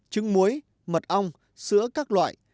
trứng muối mật ong sữa các loại